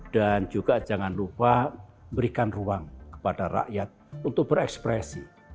dan juga jangan lupa berikan ruang kepada rakyat untuk berekspresi